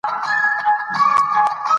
ازادي راډیو د د ځنګلونو پرېکول ته پام اړولی.